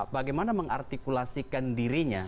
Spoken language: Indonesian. bagaimana mengartikulasikan dirinya